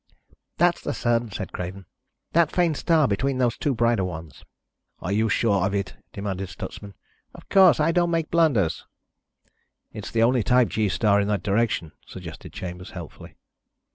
"That's the Sun," said Craven. "That faint star between those two brighter ones." "Are you sure of it?" demanded Stutsman. "Of course. I don't make blunders." "It's the only type G star in that direction," suggested Chambers, helpfully.